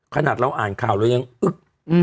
ขณะเราอ่านข่าวแล้วยังอึ๊ก